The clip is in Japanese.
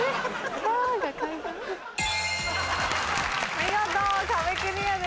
見事壁クリアです。